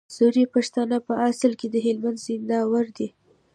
سوري پښتانه په اصل کي د هلمند د زينداور دي